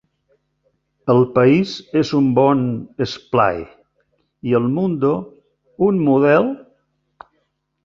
"El País" és un bon "esplai" i "El Mundo" "un model".